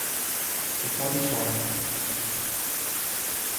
食多啲菜